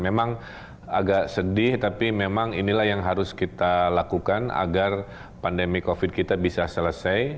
memang agak sedih tapi memang inilah yang harus kita lakukan agar pandemi covid kita bisa selesai